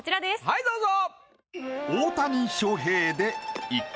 はいどうぞ。